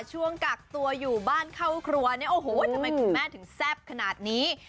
ช่วงกักตัวอยู่บ้านเข้าครัวเนี่ยโอ้โหทำไมคุณแม่ถึงแซ่บขนาดนี้